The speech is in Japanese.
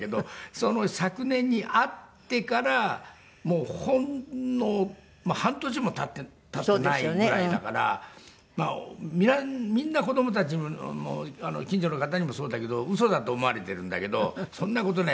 その昨年に会ってからほんの半年も経っていないぐらいだからみんな子供たちも近所の方にもそうだけどウソだと思われているんだけどそんな事ない。